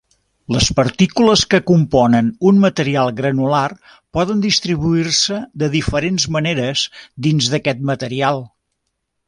Les partícules que componen un material granular poden distribuir-se de diferents maneres dins d'aquest material.